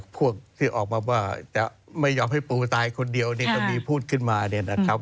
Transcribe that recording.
พวกที่ออกมาว่าจะไม่ยอมให้ปูตายคนเดียวเนี่ยก็มีพูดขึ้นมาเนี่ยนะครับ